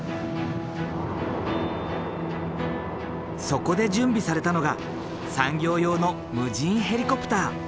そこで準備されたのが産業用の無人ヘリコプター。